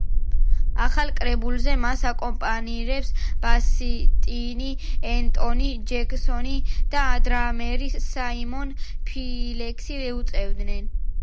ახალ კრებულზე მას აკომპანირებას ბასისტი ენტონი ჯექსონი და დრამერი საიმონ ფილიპსი უწევდნენ.